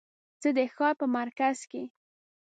زه د ښار په مرکز کې